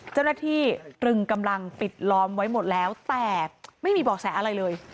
เจ้าหน้าที่ตรึงกำลังปิดล้อมไว้หมดแล้วแต่ไม่มีเบาะแสอะไรเลย